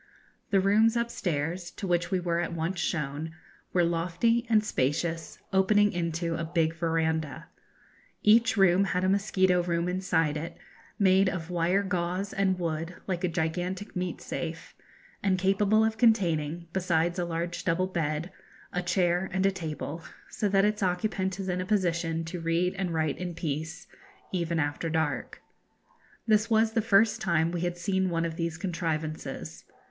The rooms upstairs, to which we were at once shown, were lofty and spacious, opening into a big verandah. Each room had a mosquito room inside it, made of wire gauze and wood, like a gigantic meat safe, and capable of containing, besides a large double bed, a chair and a table, so that its occupant is in a position to read and write in peace, even after dark. This was the first time we had seen one of these contrivances.